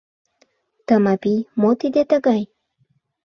Тымапий, мо тиде тыгай?